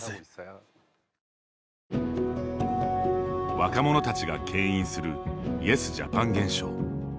若者たちがけん引するイエスジャパン現象。